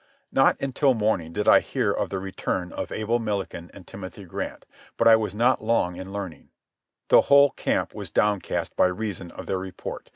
Not until morning did I hear of the return of Abel Milliken and Timothy Grant, but I was not long in learning. The whole camp was downcast by reason of their report.